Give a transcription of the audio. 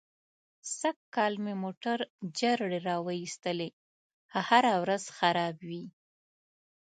سږ کال مې موټر جرړې را و ایستلې. هره ورځ خراب وي.